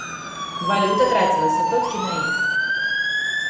Валюта трацілася толькі на іх.